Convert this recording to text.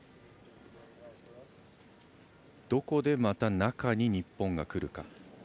どこでまた中に日本が来るか。